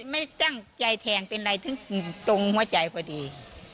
ไม่ตั้งใจแทงเป็นอะไรถึงตรงหัวใจพอดี